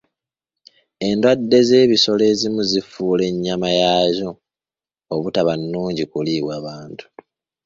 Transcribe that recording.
Endwadde z'ebisolo ezimu zifuula ennya yaazo obutaba nnungi kuliibwa bantu.